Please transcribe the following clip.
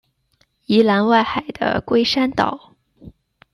宜兰外海的龟山岛